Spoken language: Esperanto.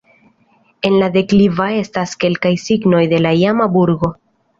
En la dekliva estas kelkaj signoj de la iama burgo.